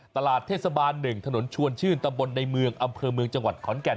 ตลาดเทศบาล๑ถนนชวนชื่นตำบลในเมืองอำเภอเมืองจังหวัดขอนแก่น